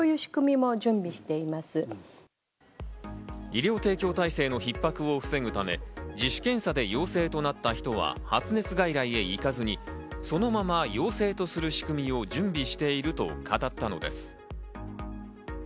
医療提供体制のひっ迫を防ぐため、自主検査で陽性となった人は発熱外来へ行かずにそのまま陽性とする仕組みを準備していると語ったのです。